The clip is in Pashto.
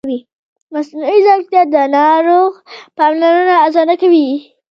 مصنوعي ځیرکتیا د ناروغ پاملرنه اسانه کوي.